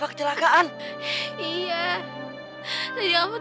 aku udah sayang banyak banget